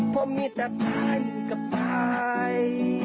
เพราะมีแต่ตายกับตาย